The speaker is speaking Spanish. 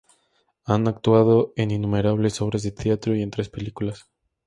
Ha actuado en innumerables obras de teatro y en tres películas.